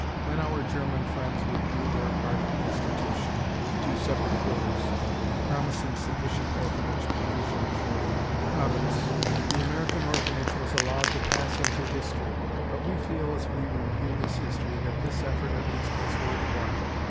When our German friends withdrew their part of the institution to separate quarters, promising sufficient orphanage provision for the province, the American Orphanage was allowed to pass into history; but we feel as we review this history, that this effort at least was worth while.